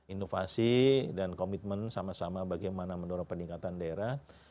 inovasi dan komitmen sama sama bagaimana mendorong peningkatan daerah